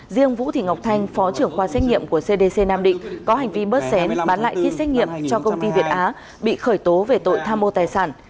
riêng vũ thị ngọc thanh phó trưởng khoa xét nghiệm của cdc nam định có hành vi bớt xén bán lại kit xét nghiệm cho công ty việt á bị khởi tố về tội tham mô tài sản